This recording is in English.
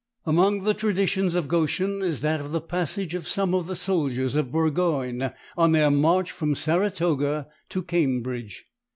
Among the traditions of Goshen is that of the passage of some of the soldiers of Burgoyne on their march from Saratoga to Cambridge.